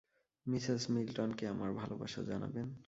Mrs মিল্টনকে আমার ভালবাসা জানাবেন।